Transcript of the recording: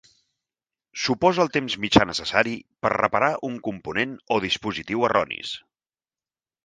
Suposa el temps mitjà necessari per reparar un component o dispositiu erronis.